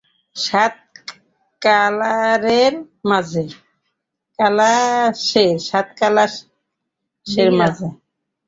সাত কালাশের মাঝে।